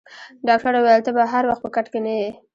ډاکټر وویل: ته به هر وخت په کټ کې نه یې.